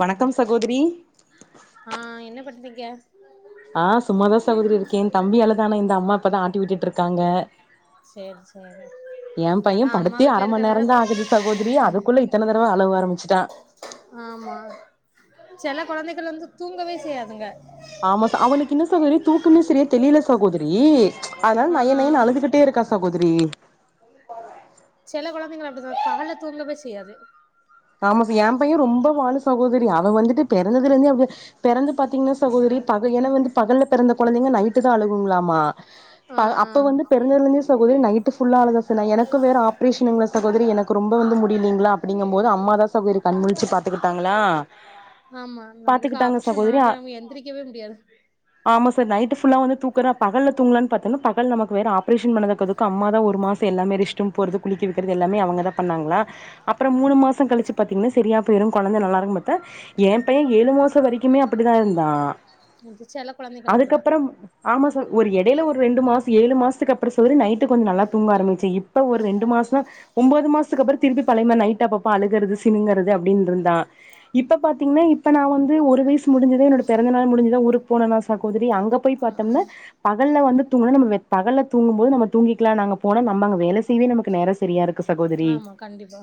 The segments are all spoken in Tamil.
வணக்கம் சகோதரி ஆ என்ன பண்றீங்க ஆ சும்மாத சகோதரி இருக்கே தம்பி அழுதானா இந்த அம்மா அப்பாதா ஆட்டி விட்டுட்டு இருக்காங்க சேரி சேரி எ அதா பையன் அம்மா படுத்தெ அர வீட்ல ம இருக்கறனால நேரம்தா ஆகுது சகோதிரி அதுக்குள்ள இத்தன தடவ அழுவ ஆரம்பிச்சிட்டா ஆமா செல குழந்தைகள் வந்து தூங்கவே செய்யாதுங்க ஆமா அவனுக்கு இன்னு சாகோதரி தூக்குமே சரியா தெளியல சாகோதரி அதனால ஆ நய ஆ நயன் அழுதுகட்டு படுத்தே இருக்கா சகோதரி சில குழந்தைங்க அப்படி தா பகல்ல தூங்கவே செய்யாது ஆமா என் பையன் ரொம்ப வாலு சகோதரி அவ வந்துட்டு பிறந்ததுல இருந்தே அவ பிறந்து பாத்தீங்கனா சகோதரி பக ஏன்னா வந்து பகல்ல பிறந்த கொழந்தைங்க நைட்டு தான் அழுகுங்களாமா ஆ ஆ அப்ப வந்து பிறந்ததுல இருந்தே சகோதரி நைட்டு ஃபுல்லா அழகாச எனக்கு வேற ப்ரிஷங்களா சகோதரி எனக்கு ரொம்ப வந்து முடிலிங்களா அப்படிங்க ஒரு அம்மாதா சகோதரி கண்முழிச்சி பாத்துக்கிட்டாங்களா ஆமா நம்மளுக்கு பாத்துக்கிட்டாங்க ஆப்ரேஷன் சகோதரி பண்ணாலே நம்ம எந்திரிக்கவே முடியாது ஆமா சார் நைட்டு ஃபுல்லா வந்து தூக்குற பகல்ல தூங்கலன்னு பாத்தங்கன்ன பகல் நமக்கு வேற ஆப்ரேஷன் பண்ணத கது அம்மா தான் ஒரு மாசம் எல்லாமே ரெஷ்ட்ரூம் போறது குளிக்க வைக்கிறது எல்லாமே அவுங்க தான் பண்ணாங்களா அப்புறம் மூணு மாசம் கழிச்சி பாத்திங்கன்னா சரியாபோயிரு குழந்த நல்லா இருக்கும் பார்த்த எ பைய ஏழு மாசம் வரைக்குமே அப்படிதா இருந்தா சில குழந்தைகள் அப்படிதான் அதுக்கப்புறம் ஆமா சகோ ஒரு இடையில ஒரு ரெண்டு மாசம் ஏழு மாசத்துக்கு அப்புறம் சகோதரி நைட்டு கொஞ்ச நல்லா தூங்க ஆரம்பிச்சி இப் இப்ப ஒரு ரெண்டு மாசம் ஒன்பது மாசத்துக்கு அப்புறம் திருப்பி பழைய மாதிரி நைட் அப்பப்ப அழுகறது சினுங்கிறது அப்படின்னுருந்தா இப்ப பாத்திங்கன்னா இப்ப நா வந்து ஒரு வயசு முடிஞ்து என்னோட பிறந்த நாள் முடிஞ்சுது தான் ஊருக்கு போனேனா சகோதரி அங்க போய் ஆ ஆ பாத்தோம்னா பகல்ல வந்து தூங்குனா நம்ம வெ பகல்ல தூங்கும்போது நம்ம தூங்கிக்கலான்னு அங்க போனா நம்ம அங்க வேல செய்யவே நமக்கு நேரம் சரியா இருக்கு சகோதரி ஆமா கண்டிப்பா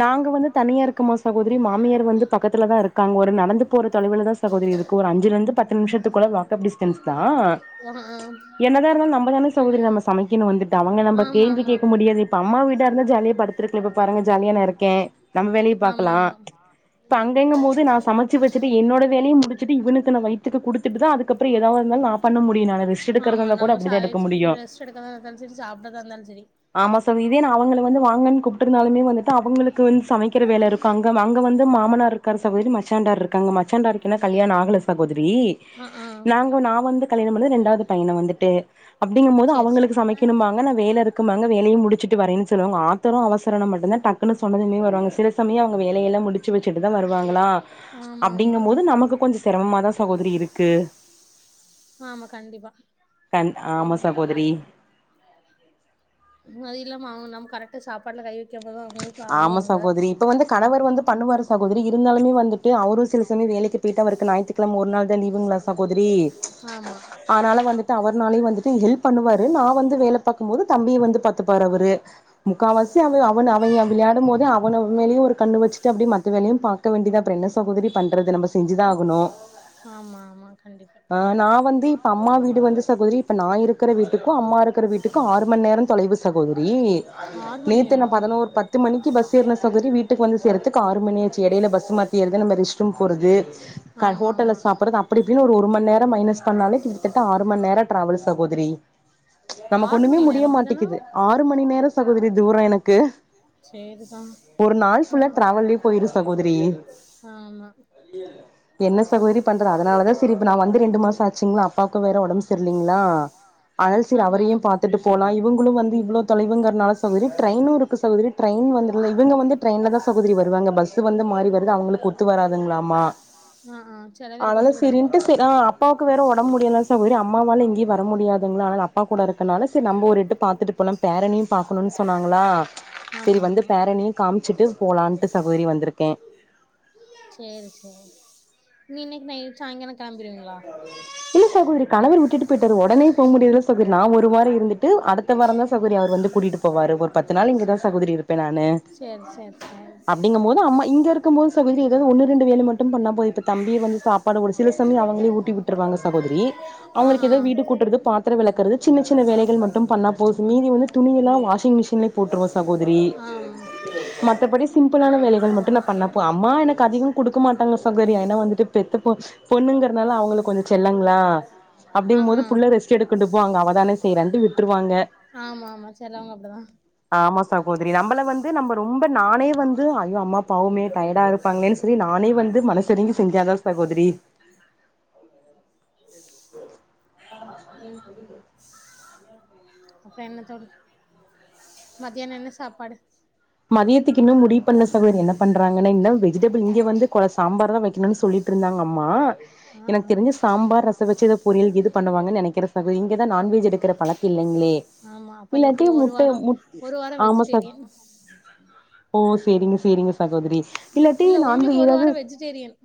நாங்க வந்து தனியா இருக்கோமா சகோதரி மாமியார் வந்து பக்கத்துல தா இருக்காங்க ஒரு நடந்து போற தொலைவில தா சகோதரி இருக்கு ஒரு அஞ்சுல இருந்து பத்து நிமிஷத்துக்குட வாகப் டிஸ்டன்ஸ் தா ஆ ஆ என்னதா இருந்தாலும் நம்மதான சகோதரி நம்ம சமைக்கணும் வந்துட்டு அவுங்க நம்ப ஆமா கேள்வி ஆமா கேக்க முடியாது இப்ப அம்மா வீடா இருந்தா ஜாலியா படுத்திருக்கலாம் இப்ப பாருங்க ஜாலியா நா இருக்கேன் நம்ம வேலைய ஆமா பாக்கலாம் ஆமா இப்ப அங்கங்கும் போது நா சமைச்சு வச்சுட்டு என்னோட வேலையு முடிச்சுட்டு இவனுக்கு நா வயித்துக்கு குடுத்துட்டு தா அதுக்கு கு அப்புறோ ஏதா இருந்தாலு நா பண்ண முடியு நா ரெஸ்ட் எடுக்குறதா ஆமா இருந்தா கூட நம்ம ச அப்டிதா எடுக்க முடியு ரெஸ்ட் எடுக்கறதா இருந்தாலு சரி சாப்டறதா இருந்தாலு சரி ஆமா சாமி இதே நா அவங்கள வந்து வாங்கன் கூப்ட்டு இருந்தாலுமே வந்துட்டு அவுங்களுக்கு வந்து சமைக்கிற வேல இருக்கு அங்க ம அங்க வந்து மாமனார் இருக்காரு சகோதரி மச்சான்டார் இருக்காங்க மச்சான்டாருக் இன்னு கல்யாணோ ஆகல சகோதரி ஆ ஆ நாங்க வ நா வந்து கல்யாணம் பண்ணது ரெண்டாவது பையன வந்துட்டு அப்பிடிங்கும் போது சேரி சேரி அவங்களுக் சமைக்கணும்பாங்க நா வேல இருக் இருக்கும்பாங்க வேலையு முடிச்சுட்டு வரேன் சொல்லுவாங்க ஆத்தரோ அவசரனா மட்டும் தா டக் டக்குனு சொன்னதுமே வருவாங்க சில சமயோ அவங்க வேலயெல்லா முடிச்சு வச்சுட்டு தா வருவாங்களா ஆமா ஆமா அப்டிங்கும் போது நமக்கு கொஞ்சோ சிரமமாதா சகோதரி இருக்கு ஆமா கண்டிப்பா கண் ஆமா சகோதரி அது இல்லாம அவங்க நம் கரெக்டா சாப்பாட்டுல கை வெக்கம்போது தா அவங்க ஆமா சகோதரி இப்ப வந்து கணவர் வந்து பண்ணுவாரு சகோதரி இருந்தாலுமே வந்துட்டு அவரு சில சமய வேலைக்கி போயிட்டு அவருக்கு ஞாயிற்றுக்கெழம ஒரு நாள் தா லீவுங்களா சகோதரி ஆமா ஆனால வந்துட்டு அவர்னாலையு வந்துட்டு ஹெல்ப் பண்ணுவாரு நா வந்து வேல பாக்கும் போது தம்பிய வந்து பாத்துப்பாரு அவுரு முக்காவாசி அவரு அவன அமைதியா விளயாடுமோதே அவன மேலயும் ஒரு கண்ணு வச்சிட்டு அப்டே மத்த வேலையு பாக் இருக்க வேண்டிதா அப்புறோ என்ன சகோதிரி பண்றது நம்ப செஞ்சிதா ஆகணு ஆமா ஆமா கண்டிப்பா ஆ நா வந்து இப்ப அம்மா வீடு வந்து சகோதிரி இப்ப நா இருக்கற வீட்டுக்கும் அம்மா இருக்கற வீட்டுக்கும் ஆறு மண் நேரம் தொலைவு சகோதிரி ஆறு மணி நேத்து நா நேரோ பதனோர் பத் பத்து மணிக்கி பஸ் ஏறுன சகோதிரி வீட்டுக்கு வந்து சேரதுக்கு ஆறு மணி ஆச்சி எடைல பஸ்ஸு மாத்தி ஏறத நம்ம ரெஸ்ட் ரூம் போறது கா ஆமா ஹோட்டல்ல ஆமா சாப்புட்றது அப்டி இப்டின்னு ஒரு மணி நேரோ மைனஸ் பண்ணாலே கிட்டத்தட்ட ஆறு மணி நேரோ ட்ராவல் சகோதரி நமக்கு ஆறு ஒன்னுமே மணி நேரோ முடிய அப்டிதானா மாட்டேங்கிது ஆறு மணி நேரோ சகோதரி தூரோ எனக்கு சேரி தா ஒரு நாள் ஃபுல்லா ட்ராவல்லே போயிரு சகோதிரி ஆமா இய்ய என்ன சகோதரி பண்றது அதனாலதா செரி இப்ப நா வந்து ரெண்டு மாச ஆச்சுங்ளா அப்பாவுக்கு வேற ஒடம்பு செரி இல்லீங்ளா அதா ஆ செரி ஆ அவரையு பாத்துட்டு போலா இவுங்களு வந்து இவ்ளோ தொலைவுங்கறனால சகோதரி ட்ரெயினு இருக்கு சகோதரி ட்ரெயின் வந்ததுல இவுங்க வந்து ட்ரெயின்ல தா சகோதரி வருவாங்க பஸ் வந்து மாறி வருது அவுங்களுக்கு ஒத்து வராதுங்களாமா ஆ ஆ செரி ஆனால செரின்ட்டு செரி ஆ அப்பாவுக்கு வேற உடம்பு முடியல சகோதரி அம்மாவால எங்கையு வர முடியாதுங்ளா அதனால அப் அப்பா கூட இருக்கனால செரி நம்போ ஒரு எட்டு பாத்துட்டு போலாம் பேரனையு பாக்கணுன்னு சொன்னாங்களா சேரி ஆமா வந்து ஆமா பேரனையு காமிச்சிட்டு போலாண்ட்டு சகோதரி வந்திருக்கே சேரி சேரி நீ இன்னைக்கி நைட்டு சாயங்காலோ கெளம்பிருவீங்ளா இல்ல சகோதரி கணவர் விட்டுட்டு போயிட்டாரு ஒடனே போக முடியாதுல சகோதரி நா ஒரு வார இருந்துட்டு அடுத் அடுத்த வாரோந்தா சகோதரி அவர் வந்து கூட்டிட்டு போவாரு ஒரு பத்து நாள் இங்கதா சகோதரி இருப்பே நானு சேர் சேர் சேரி அப்டிங்கபோது அம்மா இங்க இருக்கும் போது சகோதரி ஏதாது ஒன்னு ரெண்டு வேலை மட்டும் பண்ணா போது இப்ப தம்பிய வந்து சாப்பாடு ஒரு சில சமயம் அவுங்க சேரி அவுங்களே ஊட்டி விட்டுருவாங்க சகோதரி ஆ அவுங்களுக்கு ஆ ஏதாது வீடு கூட்டுறது பாத் த்தரம் வெளக்குறது சின்ன சின்ன வேலைகள் மட்டும் பண்ணா போது மீதி வந்து துணியெல்லா வாஷிங்மிஷின்லே போட்டுருவோ சகோதரி ஆமா மத்தப்படி சின் சிம்பிளான வேலைகள் மட்டும் நா பண்ணா போது அம்மா எனக்கு அதிகம் கூடுக்க மாட்டாங்க சகோதரி ஏனா வந்துட்டு பெத்து போ பொண்ணுங்க இதுநாளா அவுங்களுக்கு கொஞ்சோ செல்லங்ளா ஆ அப்புடிங்போது ஆ புள்ள ரெஸ்ட் எடுக்கட்டு அங்க அவதானே செய்றான்டு விட்டுருவாங்க இல்ல ஆமா ஆமா செலவங்க அப்டிதா ஆமா சகோதரி நம்மள வந்து நம்ம ரொம்ப நானே வந்து ஐயோ அம்மா பாவுமே டயர்டா இருப்பாங்களேனானு செல்லி நானே வந்து மனசு எறங்கி செஞ்ச தா சகோதரி ம் [inaudible] சமையல் முடிஞ்சி அப்ப என்ன தோழி மதியானோ என்ன சாப்பாடு மதியத்துக்கு இன்னு முடிவு பண்ணல சகோத என்ன பண்றாங்கன்னே இன்ன வெஜிடபிள் இங்க வந்து கொல சாம்பார் தா வைக்கணும்னு சொல்லி ட்டுருந்தாங்கம்மா ஆ ஆ எனக்கு தெரிஞ்சு சாம்பார் ரசொ வச்சி எதோ பொரியல் எது பன்னுவாங்கன்னு நெனைக்கிற சகோதரி இங்கதா நான்வெஜ் எடுக்குற ஆமா அப்ப இன்னைக்கு இல்லாட்டி ஒரு முட்ட வாரோ முட் ஒரு வாரோ ஆமா சகோ [inaudible] ஓ செரிங்க செரிங்க இல்ல உங்களுக்கு ஒரு வாரோ வெஜிடேரியன்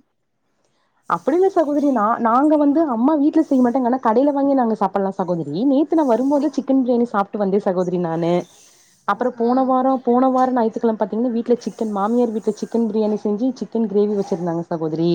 அப்படில்ல சகோதரி நா நாங்க வந்து அம்மா வீட்ல செய்ய மாட்டங்க ஆனா கடைல வாங்கி நாங்க சாப்படலா சகோதரி நேத்து நா வரும்போது அப்டி சிக்கன் பிரியாணி சாப்ட்டு வந்தே சகோதரி நானு ஆ அப்பறோ ஆ போன வாரோ போன வார நாயித்துக்கெழம பாத்தீங்கன்னா வீட்ல சிக்கன் மாமியார் வீட்ல சிக்கன் பிரியாணி செஞ்சு சிக்கன் கிரேவி வச்சிருந்தாங்க சகோதரி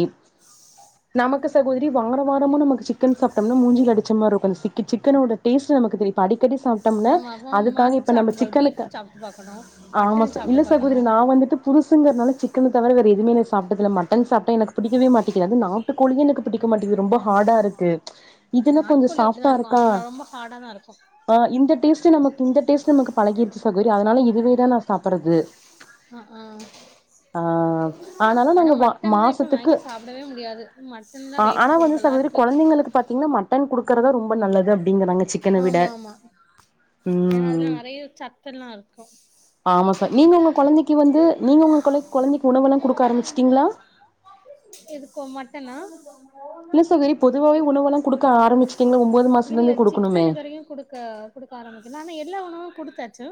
நமக்கு சகோதரி வார வாரமா நமக்கு சிக்கன் சாப்ட்டம்னா மூஞ்சில அடிச்ச மார்ருக்கு சிக்கி சிக் சிக்கனோட டேஸ்ட் நமக்கு தெரியு இப்ப அடிக்கடி சாப்ட்டோம்ன அதுக்காக இப்ப நம்ம சிக்கனுக்கு இதாக்கனு ஆமா ச இல்ல சகோதரி நா வந்துட்டு புதுசுங்கறனால சிக்கன தவிர வேற எதுவுமே நா சாப்ட்டதில்ல மட்டன் சாப்ட்டா எனக்கு பிடிக்கவே மாட்டேக்து அது நா ட்டு கோழியே எனக் பிடிக்க மாட்டேக்கு ரொம்ப ஹாடா இருக்கு இதுன்னா கொஞ்சோ நாட்டுக்கோழி சாஃப்டா அப்டிதா இருக்கு இருக்கா ஆனா ரொம்ப ஹாடாதா இருக்கு ஆ இந்த டேஸ்ட் நமக் இந்த டேஸ்ட் நமக்கு பழகிடுச்சி சகோரி அதனால இதுவேதா நா சாப்பறது அ ஆ ஆ ஆனாலு ஆனா நாங்க வா மட்டன்லா இப்ப மாசத்துக்கு வாங்கி சாப்டவே முடியாது மட்டன்லா ஆ ஆனா ரேட்டு் வந்து கூடுதலா சகோதரி இருக் கொழந்தைங்களுக்கு பாத்தீங்கன்னா மட் மட்டன் குடுக்குறதா ரொம்ப நல்லது அப்டிங்றாங்க சிக்கன விட ஆமா ம் ஏயு சத் அதெல்லா இருக்கா ஆமா ச நீங்க உங்க கொழந்தைக்கு வந்து நீங்க உங்க கொழ கொழந்தைக்கு உணவெல்லா குடுக்க ஆரம்ச்சுட்டீங்ளா எதுக்கோ மட்டனா இல்ல சகோதரி பொதுவாவே உணவல்லா குடுக்க ஆரம்பிச்சுட்டிக்கீங்களா இல்ல சிக்கன் இதுவரையு குடுக்க குடுக்க ஆரம்பிக்கல ஆனா எல்லா உணவு குடுத்தாச்சு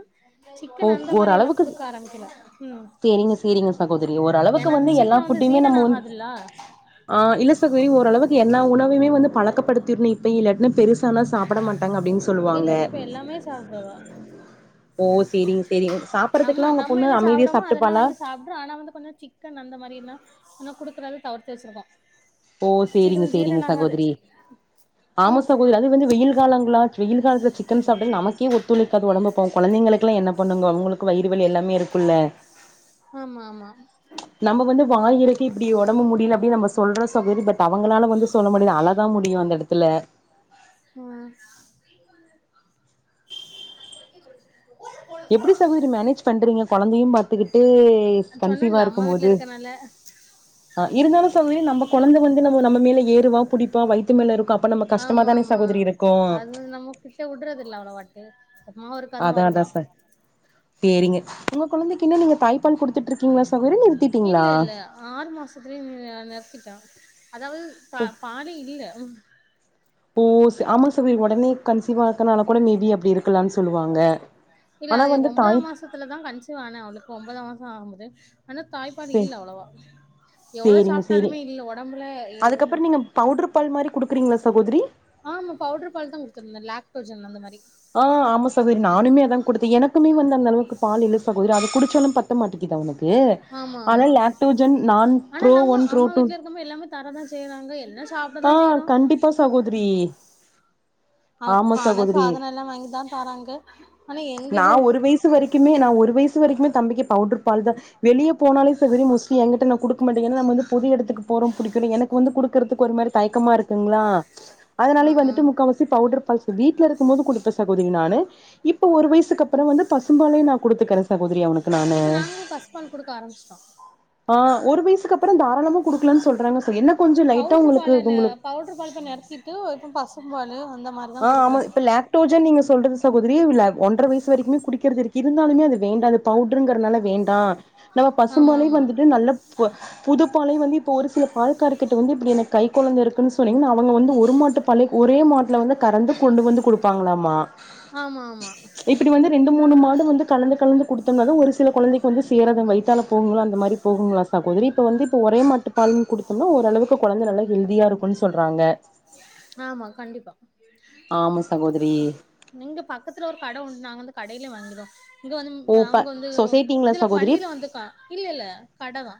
ஓ சிக்கன் அந்த மாரியெல்லா ஓரளவுக்கு குடுக்க ஆரம்பிக்கலா ம் சேரிங்க சேரிங்க சகோதரி ஓரளவுக்கு ஏன்னா அது எல்லா சீக்கிர வந்து ஃபுட்டையுமே சீரன நம்ம வந்து ஆகாதுல்ல ஆ இல்ல சகோதரி ஓரளவுக்கு எல்லா உணவுமே வந்து பழக்கப்படுத்திணு இப்ப இல்லாட்ன்னா பெருச இல்ல இல்ல இப்ப எல்லாமே சாப்ட்ருவா ஓ சேரிங்க சேரிங்க நம்ம சாப்பறதுக்குல்லா உங்க நம்ம பொண்ணு என்ன அமைதியா சாப்புடமோ அதெல்லா சாப்ட்டுப்பாளா வாங்கி சாப்ட்ரு ஆனா வந்து கொஞ்சொ சிக் க்கன் அந்த மாரிலா கொஞ்சொ குடுக்குறளவு தவிர்த்து வச்சுருக ஓ செரிங்க செரிங்க சகோதரி ஆ ஆமா சகோதரி கொஞ்சொ வெயில் காலங்கள வெயில் காலத்துல சிக்கன் சாப்டா நமக்கே ஒத்துழைக்காது ஒடம்பு அப்போ கொழந்தைங்களுக்குலா என்ன பண்ணுங்க அவங்களுக்கு வயி வல் எல்லாமே இருக்குல்ல ஆமா ஆமா நம்ம வந்து வாயிறக்கி இப்டி ஒடம்பு முடியல அப்டின்னு நம்ம சொல்றோ சகோதரி பட் அவங்களால வந்து சொல்ல முடியல அதா தா முடியு அந்த எடத்துல ம் [inaudible] எப்டி சகோதரி மேனேஜ் பண்றீங்க கொழந்தையு பாத்துக்கிட்டு கன்சீவா சொன்னேன்ல அம்மா வீட்ல இருக்கும்போது இருக்கனால அ இருதாலு சகோதரி நம்ம கொழந்தை வந்து நம்ம நம்ம மேல ஏறுவா புடிப்பா இப்ப வைத்து மேல இருக்கு அப்ப நம்ம கஷ்டமா தான சகோதரி இருக்கு திட்ட உட்டுறது இல்ல அவன வாட்டு அதா அதா சார் சேரிங்க உங்க குழந்தைக்கு இன்னு நீங்க தாய் பல் குடுத்துட்ருக்கீங்ளா சகோதரி இல்ல நிறுத்திட்டீங்ளா இல்ல ஆறு மாசத்துலயே அ நிருத்திட்டா அதாவது ப பாலே இல்ல டூஸ் ஆமா சுபி ஒடனே கன்சீவா இருக்கனால கூட மேபி அப்டி இருக்கலான்னு சொல்லுவாங்க ஆனா வந்து தாய் பக்கத்துல தா கன்சிவ் ஆன அவுளுக்கு ஒன்பதா மாச ஆக முது ஆனா தாய்பாலு இல்ல அவ்ளவா எவ்ளோ சேரிங்க சேரி சாப்ட்டாலுமே இல்ல ஒடம்புல எ அதுக்கப்புறோ நீங்க ஒட்ம்பு பவுடர் பால் மாரி குடுக்குறீங்களா சகோதரி ஆமா பவுட்ரு பால் தா குடுத்துருந்த லேக்டோஜன் அந்த மாரி ஆ ஆமா சகோதரி நானுமே அதா குடுத்த எனக்குமே வந்து அந்த அளவுக்கு பால் இல்ல சகோதரி அத குடிச்சோன பத் பத்த மாட்டிங்குதா உனக்கு ஆமா ஆனா ஆமா லாக்டோஜன் நான் ஆனா ப்ரோ நம்ம ஒன் ப்ரோ அம்மா டூ வீட்ல இருக்கம்போ எல்லாமே தரதா செய்யறாங்க என் ஆ கண்டிப்பா சாகோதிரி ஆ ஆமா ஆனா சகோதரி சாதனோ எல்லா வாங்கி தா தராங்க ஆனா எங்க நா ஒரு வய்சு வரக்குமே நா ஒரு வய்சு இந்து வரைக்குமே தம்பிக்கு பவுடர் பால் தா வெளிய போனாலே சகோதரி மோஸ்ட்லி எங்கிட்ட நா குடுக்க மாட்ட ஏனா அது வந்து பொது எடத்துக்கு போறோட்டு புடிக்கல எனக்கு வந்து குடு குற்துக்கு ஒரு மாரி தயக்கமா இருக்குங்ளா ஆ அதனாலயே ஆ வந்துட்டு முக்காவாசி பவுட்ரு பல்ஸு வீட்ல இருக்கும்போது குடுப்ப சகோதிரி நானு இப்ப ஒரு வய்சுக்கு அப்ற வந்து பசும்பாலயு நா குடுத்துக்கற சகோதரி நா அவனுக் இப்ப நாங்ளு பசு பால் குடுக்க ஆரம்மிச்ட்டோ ஆ ஒரு வய்சுக்குப்புற தாராளமா குடுக்குலான் சொல்றாங்க சோ என்ன கொஞ்ச லைட் பலனு பவுட்ரு பால்தா நெரச்சிட்டு இப்ப பசும் பாலு அந்த மாரி அ ஆமா இப்ப லே டூஜன் நீங்க சொல்றது சகோதரி இல்ல ஒன்ற வய்சு வரக்கிமே குடிக்கற்து இருக்கு இருந்தாலுமே அது வேண்டாது பவுட்ருங்றனால வேண்டா நம்ப் பசும் ஆமா பாலே ஆமா வந்துட்டு நல்லா பு புதுப்பாலே வந்து இப்ப ஒரு சில பால்கார் கிட்ட வந்து இப்டி எனக் கை கொழந்த இருக்குன் சொன்னீங்ன அவங்க வந்து ஒரு மாட்டுப் பல்லிக் ஒரே மாட்ல வந்து கரந்து கொண்டு வந்து குடுப்பாங்ளாமா ஆமா ஆமா இப்டி வந்து ரெண்டு மூணு மாடு வந்து கலந்து கலந்து குடுத் சொல்வாங்க ஒரு சில கொழந்தைக் வந்து சேராதா வைத்தால போகுங்லா அந்த மாரி போகுங்லா சகோதரி இப்ப வந்து இப்ப ஒரே மாட்டு பால்ன் குடுத் கு வந்து ஓரளவுக்கு கொழந்த நல்லா ஹெல்தியா இருக்குன் சொல்றாங்க ஆமா கண்டிப்பா ஆம சகோதிரி இங்க பக்கத்துல ஒரு கட உண்டு நாங்க வந்து கடையிலியே வாங்கிருவோ இங்க வந்து ஓ வ ப அங்க வந்து சொசைட்டிங்களா இதுல சகோதரி வண்டியில வந்துக்கா இல்ல இல்ல கட தா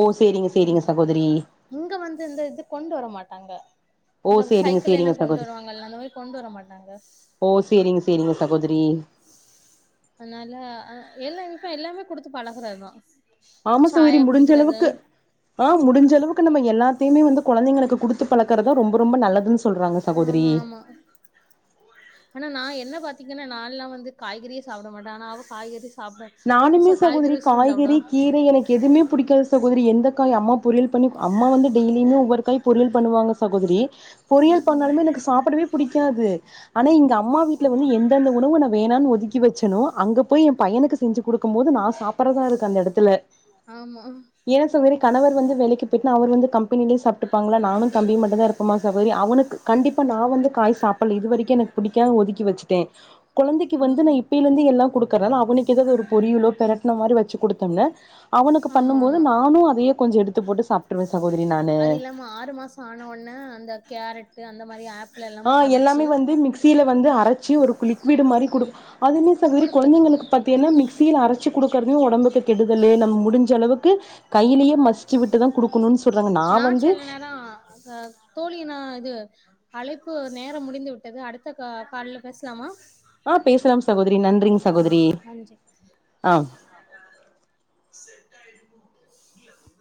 ஓ சேரிங்க சேரிங்க சகோதரி இங்க வந்து இந்த இது கொண்டு வர மாட்டாங்க ஓ இந்த சேரிங்க சைக்கிள்ல எல்லா சேரிங்க கொண்டு சகோதரி வருவாங்கல்ல அந்த மாரி கொண்டு வர மாட்டாங்க ஓ சேரிங் சேரிங்க சகோதிரி அதுனால எல்லா இப்ப எல்லாமே குடுத்து பழகுறதா ஆம சகோதரி முடிஞ்ச அளவுக்கு ஆ முடிஞ்ச அளவுக்கு நம்ம எல்லத்தையுமே வந்து கொழந்தைங்களுக்கு குடுத்து பழக்குறது தா ரொம்ப ரொம்ப நல்லதுன் ஆமா ஆமா ஆனா நா என்ன பாத்தீங்கனா நான்லா வந்து காய்கறியே சாப்பட மாட்ட ஆனா அவ காய்கறி சாப்ட நானுமே சோ சகோதிரி காய்கறி வச்சுதா காய்கறி சாப்டுவா கீரை எனக்கு எதுவுமே புடிக்காது சகோதிரி எந்த காய் அம்மா பொரியல் பண்ணி அம்மா வந்து டெய்லியுமே ஒவ்வொருக்காய் பொரியல் பண்ணுவாங்க சகோதிரி பொறியல் ம் ம் பண்ணாலுமே எனக்கு சாப்படவே புடிக்காது ஆனா இங்க அம்மா வீட்ல வந்து எந் இந்தந்த உணவு நா வேணானு ஒதுக்கி வச்சணோ அங்க போயி ஏ பையனுக்கு செஞ்சி குடுக்கு போது நா சாப்பறதா இருக்கு அந்த எடத்துல ஆமா ஏ சகோதரி கணவர் வந்து வேலிக்கு போய்ட்னா அவரு வந்து கம்பெனிலே சாப்ட்டுப்பாங்ளா நானு தம்பி மட்டு தா இருப் பமா சகோதரி அவனுக்கு கண்டிப்பா நா வந்து காய் சாப்பல இது வரிக்கு எனக் புடிக்கா ஒதுக்கி வச்சிட்டே கொழந்தைக்கு ம் வந்து நா ம் இப்பிலந்து எல்லா குடுக்கற அவனுக்கு ஏதாவது ஒரு பொரியலோ பெரட்டன மாரி வச்சி குடுத்தவுனோ ஆமா ஆமா எடுத்து போட்டு சாப்ட்ருவே சகோதரி நானு அது இல்லாம ஆறு மாஸ் ம் ஆன ஒனே அந்த கேரட்டு அந்த மாரி ஆப் ஆ எல்லாமே வந்து மிக்சியில வந்து அரச்சி ஒரு லிக்வீடு மாரி குடு அதுமே சகோதரி குடுக்குறது கொழந்தைங்களுக்கு பாத்தியனா மிக்சியில அரச்சி குடுக்குறதையு ஒடம்புக்கு கெடுதலு நம் முடிஞ்ச அளவுக்கு கையிலயே மசிச்சி வுட்டுதா குடுக்கனுன் சொல்றாங்க நா வந்து ஆ தோழி நா இது அழைப்பு நேரம் முடிந்து விட்டது அடுத்த கா கால்ல பேசலாமா ஆ பேஸ்லாம் சகோதரி நன்றிங் ஆ சகோதரி நன்றி ஆ செட் ஆய்ருமோ [unintelligible]